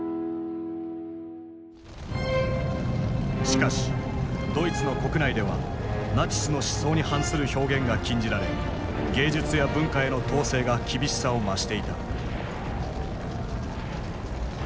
しかしドイツの国内ではナチスの思想に反する表現が禁じられ芸術や文化への統制が厳しさを増していた。